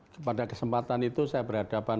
pada kesempatan itu saya berhadapan